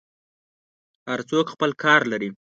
هر څوک خپل کار لري.